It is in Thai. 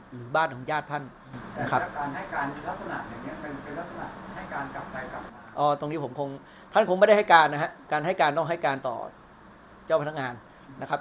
หรือบ้านของญาติท่านเฮ่ยครับอ่าตรงนี้ผมคงท่านคงไม่ได้ให้การนะฮะการให้การต้องให้การต่อเจ้าพนักงานนะครับ